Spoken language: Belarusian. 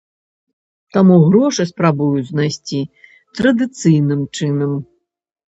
Таму грошы спрабуюць знайсці традыцыйным чынам.